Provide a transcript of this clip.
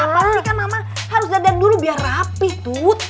maksudnya moms harus dadah dulu biar rapih tut